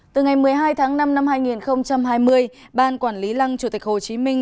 từ ngày một mươi hai tháng năm năm hai nghìn hai mươi ban quản lý lăng chủ tịch hồ chí minh